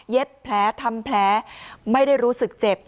เย็บแพ้ทำแพ้ไม่ได้รู้สึกเจ็บ